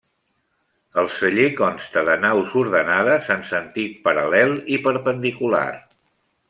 El celler consta de naus ordenades en sentit paral·lel i perpendicular.